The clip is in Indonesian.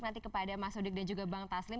nanti kepada mas udik dan juga bang taslim